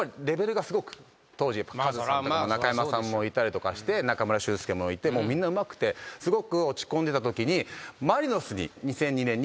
当時カズさんとか中山さんもいたりとかして中村俊輔もいてみんなうまくてすごく落ち込んでたときに２００２年に。